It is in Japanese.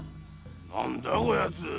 何だこやつ？